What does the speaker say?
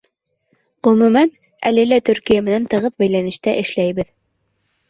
Ғөмүмән, әле лә Төркиә менән тығыҙ бәйләнештә эшләйбеҙ.